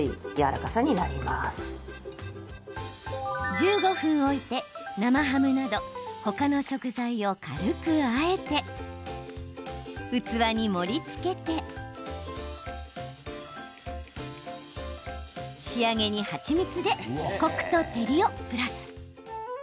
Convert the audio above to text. １５分置いて、生ハムなど他の食材を軽くあえて器に盛りつけて仕上げに蜂蜜でコクと照りをプラス。